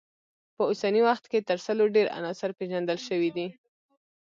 په اوسني وخت کې تر سلو ډیر عناصر پیژندل شوي دي.